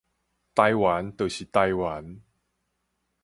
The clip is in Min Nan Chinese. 台灣就是台灣